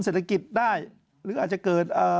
เศรษฐกิจได้หรืออาจจะเกิด